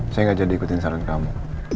saya nggak jadi ikutin saluran kamu